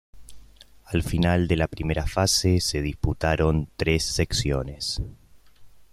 Al final de la primera fase, se disputaron tres seccionesː